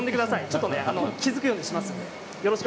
ちょっと気付くようにします。